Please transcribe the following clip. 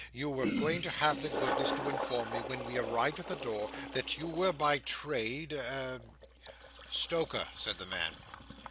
You were going to have the goodness to inform me, when we arrived at the door that you were by trade a—" "Stoker," said the man.